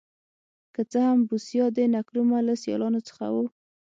که څه هم بوسیا د نکرومه له سیالانو څخه و.